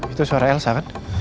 itu suara elsa kan